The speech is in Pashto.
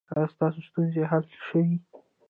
ایا ستاسو ستونزې حل شوې؟